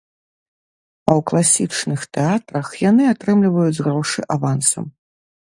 А ў класічных тэатрах яны атрымліваюць грошы авансам.